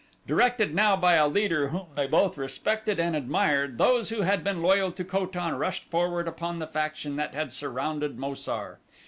Directed now by a leader whom they both respected and admired those who had been loyal to Ko tan rushed forward upon the faction that had surrounded Mo sar.